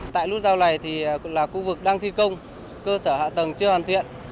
tại nút giao này thì là khu vực đang thi công cơ sở hạ tầng chưa hoàn thiện